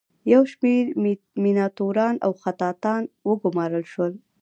یو شمیر میناتوران او خطاطان وګومارل شول.